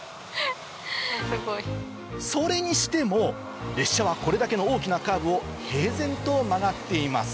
それにしても列車はこれだけの大きなカーブを平然と曲がっています